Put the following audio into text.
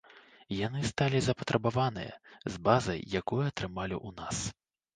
Яны сталі запатрабаваныя з базай, якую атрымалі ў нас.